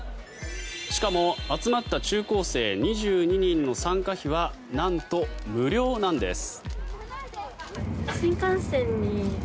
しかも、集まった中高生２２人の参加費はなんと無料なんです。